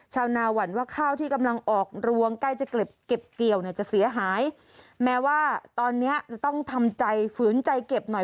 ชาวนาหวั่นว่าข้าวที่กำลังออกรวงใกล้จะเก็บเกี่ยวเนี่ยจะเสียหายแม้ว่าตอนเนี้ยจะต้องทำใจฝืนใจเก็บหน่อย